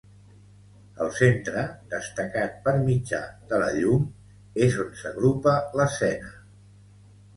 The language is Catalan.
Al centre, destacat per mitjà de la llum, és on s'agrupa l'escena.